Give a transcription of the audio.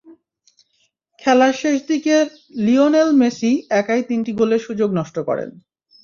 খেলার শেষ দিকে লিওনেল মেসি একাই তিনটি গোলের সুযোগ নষ্ট করেন।